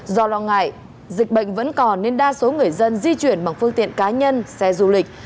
do lo ngại dịch bệnh vẫn còn nên đa số người dân di chuyển bằng phương tiện cá nhân xe du lịch